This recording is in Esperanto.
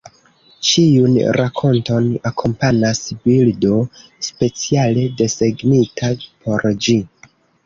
Ĉiun rakonton akompanas bildo speciale desegnita por ĝi.